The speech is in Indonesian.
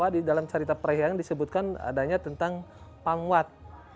di dalam cerita perhiangan disebutkan adanya tentang pamwat